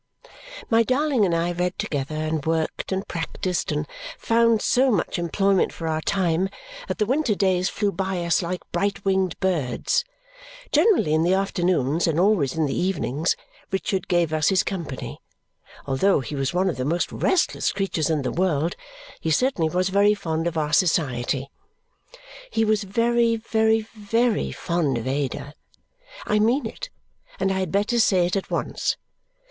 My darling and I read together, and worked, and practised, and found so much employment for our time that the winter days flew by us like bright winged birds. Generally in the afternoons, and always in the evenings, Richard gave us his company. Although he was one of the most restless creatures in the world, he certainly was very fond of our society. He was very, very, very fond of Ada. I mean it, and I had better say it at once.